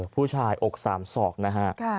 ผู้ชายอกสามศอกนะฮะ